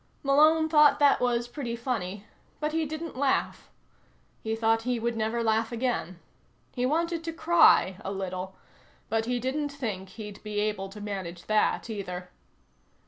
Malone thought that was pretty funny, but he didn't laugh. He thought he would never laugh again. He wanted to cry, a little, but he didn't think he'd be able to manage that either.